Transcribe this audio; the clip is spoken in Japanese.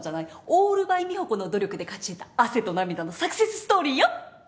オールバイ美保子の努力で勝ち得た汗と涙のサクセスストーリーよ。